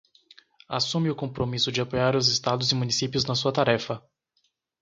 assume o compromisso de apoiar os estados e municípios na sua tarefa